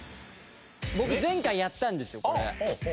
僕前回やったんですよこれ。